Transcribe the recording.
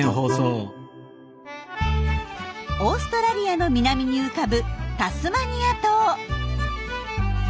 オーストラリアの南に浮かぶタスマニア島。